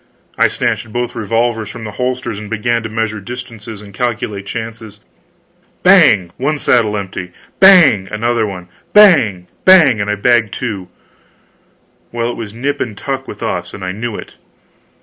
I snatched both revolvers from the holsters and began to measure distances and calculate chances. Bang! One saddle empty. Bang! another one. Bang bang, and I bagged two. Well, it was nip and tuck with us, and I knew it.